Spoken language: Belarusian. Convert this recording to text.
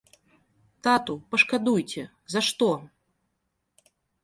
Тату, пашкадуйце, за што?